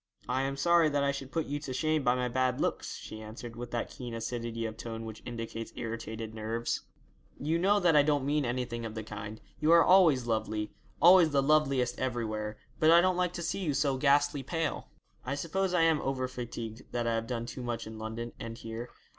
'I am sorry that I should put you to shame by my bad looks,' she answered, with that keen acidity of tone which indicates irritated nerves. 'You know that I don't mean anything of the kind; you are always lovely, always the loveliest everywhere; but I don't like to see you so ghastly pale.' 'I suppose I am over fatigued: that I have done too much in London and here.